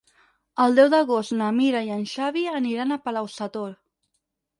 El deu d'agost na Mira i en Xavi aniran a Palau-sator.